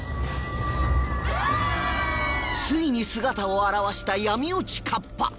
ついに姿を現した闇落ち河童